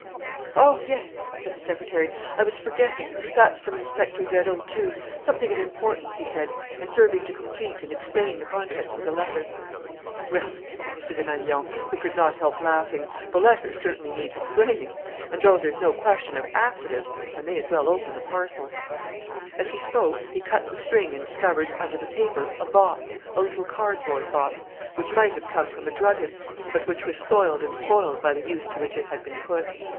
'" "Oh, yes," said the secretary, "I was forgetting! That's from Inspector Vérot, too; something of importance, he said, and serving to complete and explain the contents of the letter." "Well," said M. Desmalions, who could not help laughing, "the letter certainly needs explaining; and, though there's no question of 'accident,' I may as well open the parcel." As he spoke, he cut the string and discovered, under the paper, a box, a little cardboard box, which might have come from a druggist, but which was soiled and spoiled by the use to which it had been put.